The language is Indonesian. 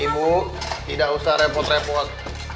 ibu tidak usah repot repot